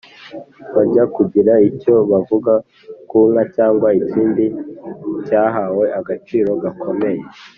bajya kugira icyo bavuga ku nka cyangwa ikindi cyahawe agaciro gakomeye